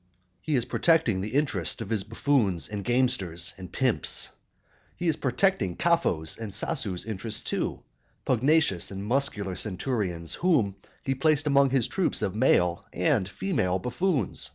IX. He is protecting the interests of his buffoons and gamesters and pimps. He is protecting Capho's and Sasu's interests too, pugnacious and muscular centurions, whom he placed among his troops of male and female buffoons.